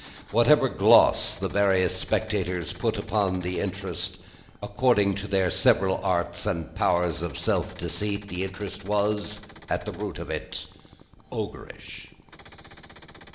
Whatever gloss the various spectators put upon the interest, according to their several arts and powers of self deceit, the interest was, at the root of it, Ogreish.